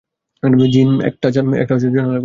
জিন, একটা জানালা খোলো।